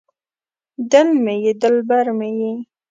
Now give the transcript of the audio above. دل مې یې دلبر مې یې